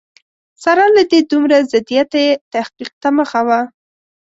سره له دې دومره ضدیته یې تحقیق ته مخه وه.